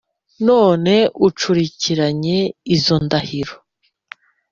None ucurikiranye izo ndahiro?"